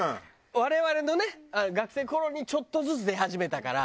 我々のね学生の頃にちょっとずつ出始めたから。